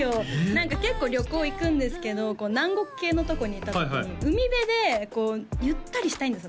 何か結構旅行行くんですけど南国系のとこに行った時に海辺でこうゆったりしたいんです